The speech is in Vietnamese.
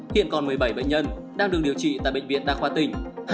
hiện còn một mươi bảy bệnh nhân đang được điều trị tại bệnh viện đa khoa tỉnh